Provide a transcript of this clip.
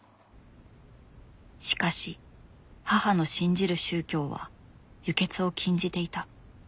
しかし母の信じる宗教は輸血を禁じていた。